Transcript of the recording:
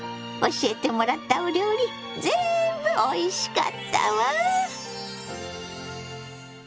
教えてもらったお料理ぜんぶおいしかったわ！